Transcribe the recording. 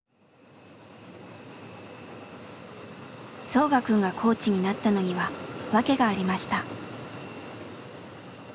ソウガくんがコーチになったのには訳がありました。